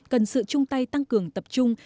cần sự chung tay tăng cường tập trung